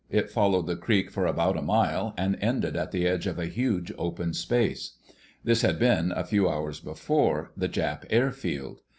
It followed the creek for about a mile, and ended at the edge of a huge open space. This had been, a few hours before, the Jap airfield.